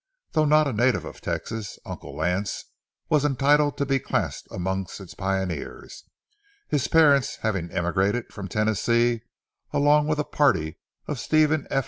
Though not a native of Texas, "Uncle Lance" was entitled to be classed among its pioneers, his parents having emigrated from Tennessee along with a party of Stephen F.